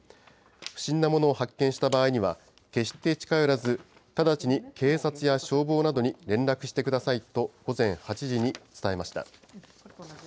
不審なものを発見した場合には、決して近寄らず、直ちに警察や消防などに連絡してくださいと、午前８時に伝えました。